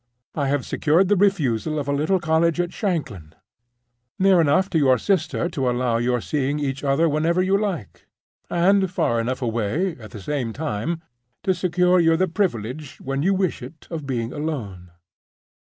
I have secured the refusal of a little cottage at Shanklin, near enough to your sister to allow of your seeing each other whenever you like, and far enough away, at the same time, to secure you the privilege, when you wish it, of being alone.